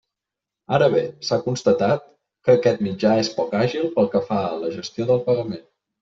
Ara bé, s'ha constatat que aquest mitjà és poc àgil pel que fa a la gestió del pagament.